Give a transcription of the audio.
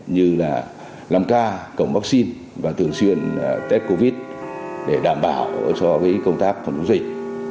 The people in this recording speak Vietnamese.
như là năm ca cổng vaccine và thường xuyên test covid để đảm bảo cho công tác phòng chống dịch